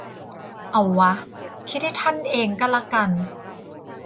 เอาวะ คิดให้ท่านเองก็ละกัน